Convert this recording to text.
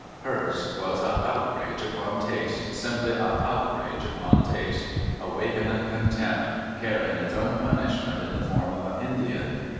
Hers was a outrage upon Taste — simply a outrage upon Taste — awakenin contempt — carryin its own punishment in the form of a Indian